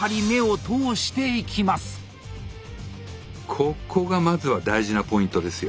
ここがまずは大事なポイントですよ。